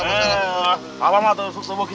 amat amat yang saya sukses tinggalkan